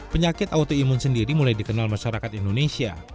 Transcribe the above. penyakit autoimun sendiri mulai dikenal masyarakat indonesia